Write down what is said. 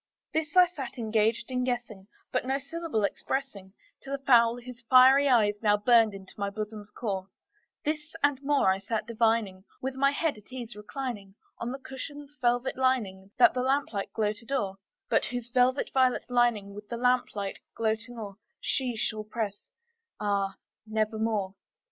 This I sat engaged in guessing, but no syllable expressing To the fowl whose fiery eyes now burned into my bosom's core; This and more I sat divining, with my head at ease reclining On the cushion's velvet lining that the lamplight gloated o'er, But whose velvet violet lining with the lamplight gloating o'er She shall press, ah, nevermore!